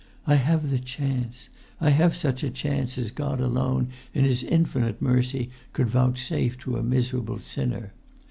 I have the chance! I have such a chance as God alone in His infinite mercy could vouchsafe to a miserable sinner.